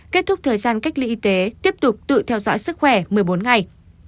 kết thúc thời gian cách ly y tế tiếp tục tự theo dõi sức khỏe một mươi bốn ngày